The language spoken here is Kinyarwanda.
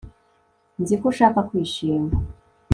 Nzi ko ushaka kwishima